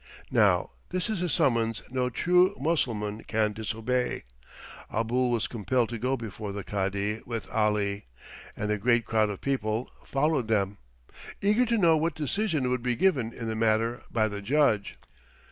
Now this is a summons no true Mussulman can disobey. Abul was compelled to go before the Cadi with Ali, and a great crowd of people followed them, eager to know what decision would be given in the matter by the judge.